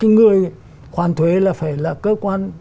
người khoán thuế là phải là cơ quan